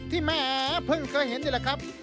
แหมเพิ่งเคยเห็นนี่แหละครับ